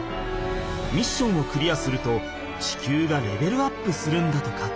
ミッションをクリアすると地球がレベルアップするんだとか。